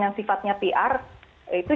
yang sifatnya pr itu